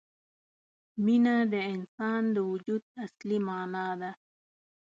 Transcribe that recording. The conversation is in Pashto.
مینه د انسان د وجود اصلي معنا ده.